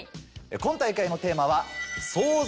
今大会のテーマは。